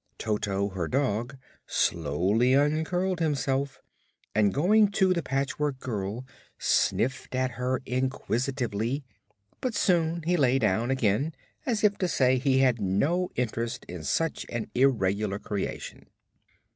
Toto, her dog, slowly uncurled himself and going to the Patchwork Girl sniffed at her inquiringly; but soon he lay down again, as if to say he had no interest in such an irregular creation.